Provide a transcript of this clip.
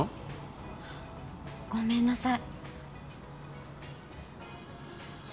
ごめんなさい。